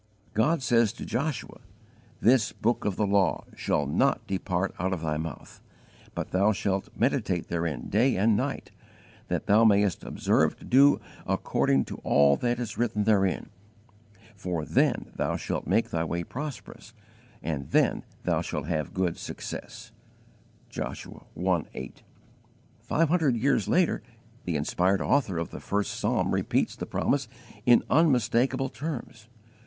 God says to Joshua, "This book of the law shall not depart out of thy mouth; but thou shalt meditate therein day and night, that thou mayest observe to do according to all that is written therein: for then thou shalt make thy way prosperous, and then thou shalt have good success" (Joshua i. 8.) Five hundred years later the inspired author of the first Psalm repeats the promise in unmistakable terms.